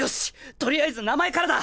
とりあえず名前からだ！